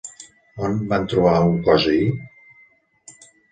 On van trobar un cos ahir?